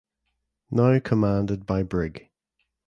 Now commanded by Brig.